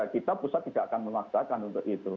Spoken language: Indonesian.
kita pusat tidak akan memaksakan untuk itu